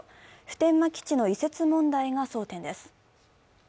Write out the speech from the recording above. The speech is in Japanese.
普天間基地の移設問題が争点です。